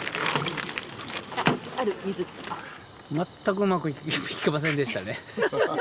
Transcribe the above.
全くうまくいきませんでしたね。